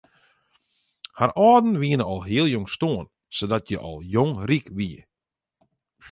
Har âlden wiene al heel jong stoarn sadat hja al jong ryk wie.